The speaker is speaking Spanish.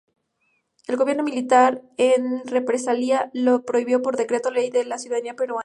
El gobierno militar, en represalia, lo privó por decreto-ley de su ciudadanía peruana.